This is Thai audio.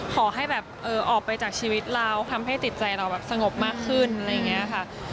ขอให้แบบออกไปจากชีวิตเราทำให้จิตใจเราแบบสงบมากขึ้นอะไรอย่างนี้ค่ะ